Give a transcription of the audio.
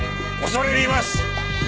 恐れ入ります！